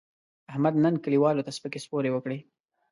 احمد نن کلیوالو ته سپکې سپورې وکړې.